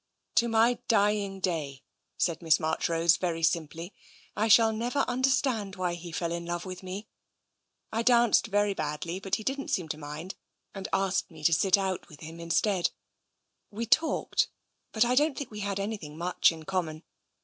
To my dying day,'* said Miss March rose very simply, " I shall never understand why he fell in love with me. I danced very badly, but he didn*t seem to mind, and asked me to sit out with him in stead. We talked, but I don't think we had anything much in common.